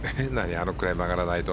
あのくらい曲がらないと。